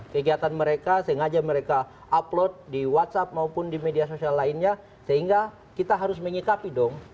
kegiatan mereka sengaja mereka upload di whatsapp maupun di media sosial lainnya sehingga kita harus menyikapi dong